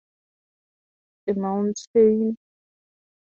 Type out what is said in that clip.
The mountain Lapithas is to the north, and the Minthi is to the east.